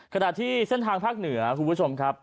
ขณะที่เส้นทางภาคเหนือคุณผู้ชมครับ